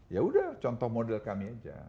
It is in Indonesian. ya udah contoh model kami aja